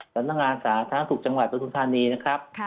สำนักงานสาธารณสุขจังหวัดประทุมธานีนะครับ